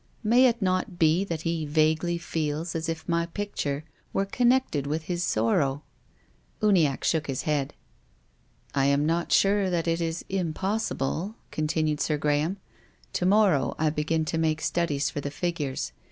May it not be that he vaguely feels as if my picture were connected with his sorrow ?" Uniacke shook his head. " I am not sure that it is impossible," continued Sir Graham. " To morrow I begin to make studies for the figures.